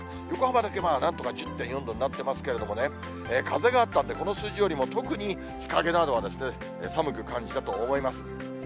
横浜だけまあなんとか１０．４度になってますけどもね、風があったんで、この数字よりも、特に日陰などは寒く感じたと思います。